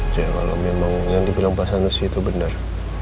kalau memang yang dibilang pak sanusi itu benar